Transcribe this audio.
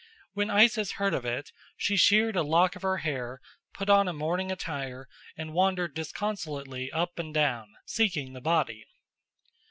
When Isis heard of it she sheared off a lock of her hair, put on a mourning attire, and wandered disconsolately up and down, seeking the body.